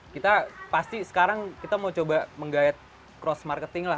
kita pasti sekarang kita mau coba menggayat cross marketing lah